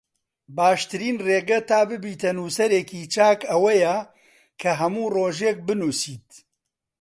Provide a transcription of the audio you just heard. باشترین ڕێگە تا ببیتە نووسەرێکی چاک ئەوەیە کە هەموو ڕۆژێک بنووسیت